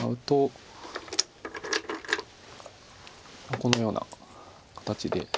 このような形で。